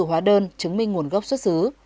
hóa đơn chứng minh nguồn gốc xuất xứ